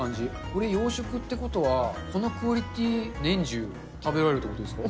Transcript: これ、養殖っていうことは、このクオリティ、年中食べられるということですか。